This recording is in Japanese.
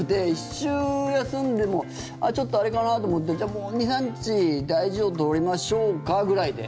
１週休んでもちょっとあれかなと思ってじゃあ、もう２３日大事を取りましょうかぐらいで。